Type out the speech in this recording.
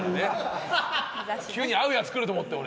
急に合うやつ来ると思って俺。